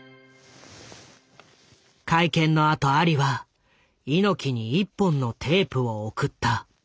会見の後アリは猪木に一本のテープを送った。